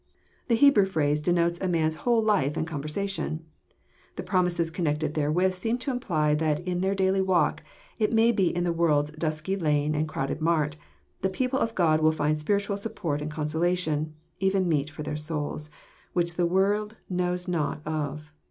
The Hebrew phrase denotes a man's whole life and conversation. The promises connected therewith seem to imply that in their daily walk, it may be in the world's dusky lane and crowded mart, the people of God will find spiritual support and conso lation, even meat for their souls, which the world knows not of.